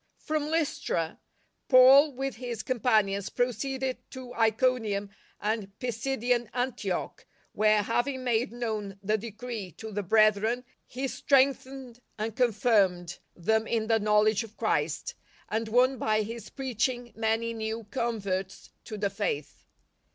From Lystra Paul, with his companions, proceeded to Iconium and .Pisidian Antioch, where, having made known the decree to the brethren, he strengthened and confirmed them in the knowledge of Christ, and won by his preaching many new converts to the Faith.